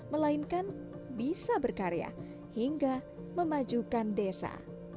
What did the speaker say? melainkan bisa berkarya hingga memajukan desa